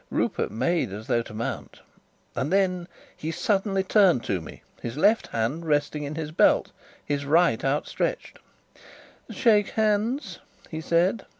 Rupert made as though to mount; then he suddenly turned to me: his left hand resting in his belt, his right outstretched: "Shake hands," he said.